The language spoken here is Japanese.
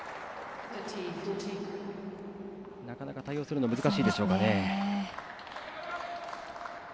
なかなか対応するのは難しいでしょうかね。